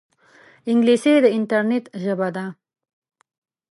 انګلیسي د انټرنیټ ژبه ده